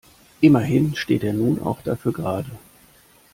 Immerhin steht er nun auch dafür gerade.